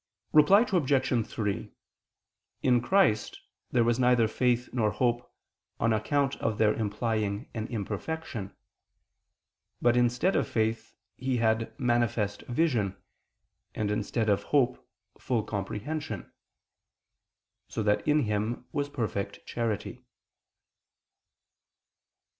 Reply Obj. 3: In Christ there was neither faith nor hope, on account of their implying an imperfection. But instead of faith, He had manifest vision, and instead of hope, full comprehension [*See above, Q. 4, A. 3]: so that in Him was perfect charity.